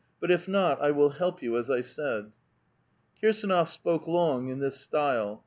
But if not, I will help you, as I said." Kirsdnof spoke long in this style.